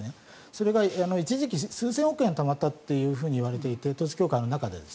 それが一時期数千億円たまったと言われていて統一教会の中で。